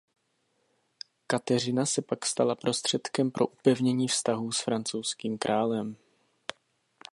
Kateřina se pak stala prostředkem pro upevnění vztahů s francouzským králem.